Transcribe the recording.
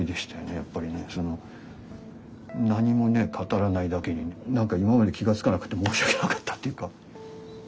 やっぱりねその何もね語らないだけに何か今まで気が付かなくて申し訳なかったっていうか。